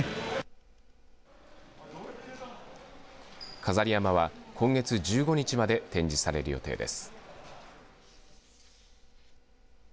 飾り山笠は今月１５日まで展示される予定です。